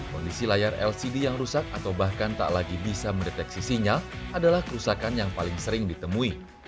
kondisi layar lcd yang rusak atau bahkan tak lagi bisa mendeteksi sinyal adalah kerusakan yang paling sering ditemui